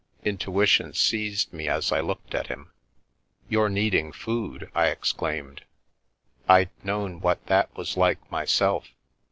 Intuition seized me as I looked at him. "You're needing food I" I exclaimed — I'd known what that was like myself.